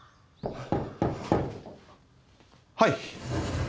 はい。